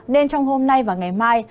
nên trong hôm nay và ngày mai